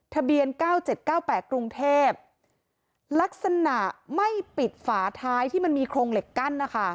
ทะเบียน๙๗๙๘กรุงเทพลักษณะไม่ปิดฝาท้ายที่มันมีโครงเหล็กกั้นนะคะ